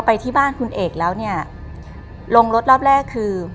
ไปที่บ้านคุณเอกแล้วเนี่ยลงรถรอบแรกคือ